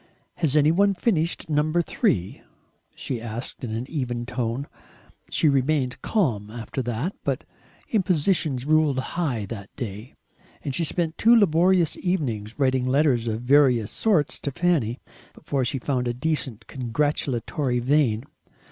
"Has any one finished number three?" she asked in an even tone. She remained calm after that. But impositions ruled high that day. And she spent two laborious evenings writing letters of various sorts to Fanny, before she found a decent congratulatory vein.